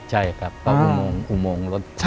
ใช่ครับอุโมงรถ